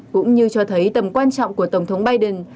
cũng như cho thấy tầm quan trọng của tổng thống biden